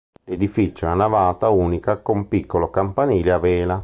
L'edificio è a navata unica con piccolo campanile a vela.